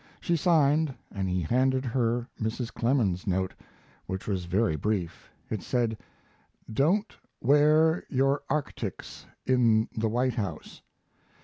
She signed, and he handed her Mrs. Clemens's note, which was very brief. It said: "Don't wear your arctics in the White House."